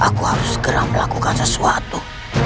aku harus segera melakukan sesuatu